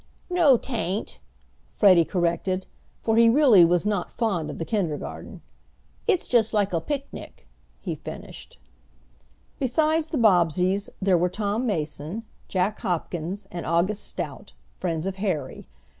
"No, 'tain't!" Freddie corrected, for he really was not fond of the kindergarten. "It's just like a picnic," he finished. Besides the Bobbseys there were Tom Mason, Jack Hopkins, and August Stout, friends of Harry.